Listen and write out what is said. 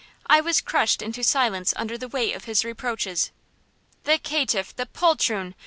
I was crushed into silence under the weight of his reproaches." "The caitiff! The poltroon!